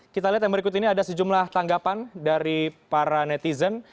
kita lihat yang berikut ini ada sejumlah tanggapan dari para netizen